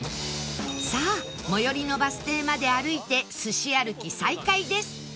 さあ最寄りのバス停まで歩いてすし歩き再開です